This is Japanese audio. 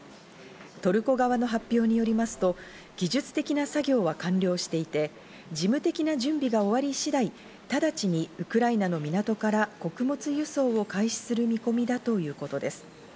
トルコ側の発表によりますと、技術的な作業は完了していて、事務的な準備が終わり次第、直ちにウクライナの港から穀物輸送を開始する見込みだということです。